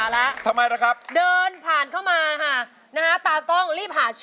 ๑ล้านบาท๑ล้านบาท